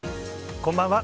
こんばんは。